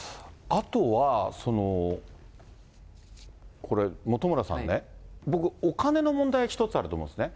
あとは、これ、本村さんね、僕、お金の問題、一つあると思うんですね。